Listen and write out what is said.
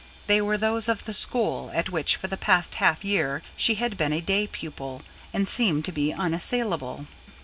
They were those of the school at which for the past half year she had been a day pupil, and seemed to her unassailable.